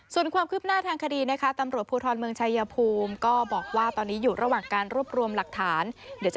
ส่วนความคืบหน้าทางคดีเธอบอกว่าตอนนี้อยู่ระหว่างการรวบรวมสำเร็จ